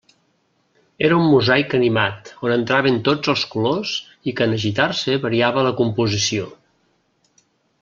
Era un mosaic animat, on entraven tots els colors i que en agitar-se variava de composició.